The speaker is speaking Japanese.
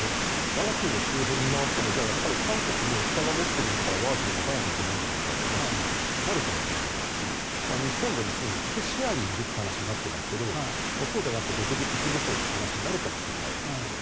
我が国の周辺を見回しても韓国も北が持っているんだから我が国も持たないといけないとなるかもしれませんし日本でもすでに核シェアリングという話になっていますけどそうじゃなくて独自核武装という話になるかもしれないですね。